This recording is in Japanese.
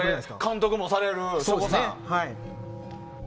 監督もされる省吾さん。